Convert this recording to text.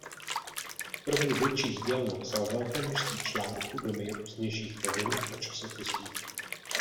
Kromě větších děl napsal velké množství článků do nejrůznějších novin a časopisů.